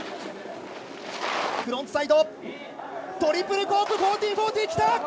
フロントサイドトリプルコー